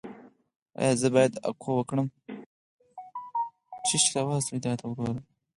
ایا زه باید اکو وکړم؟